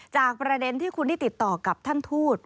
จากประเด็นที่คุณได้ติดต่อกับท่านทูต